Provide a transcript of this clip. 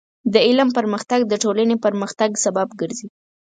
د علم پرمختګ د ټولنې پرمختګ سبب ګرځي.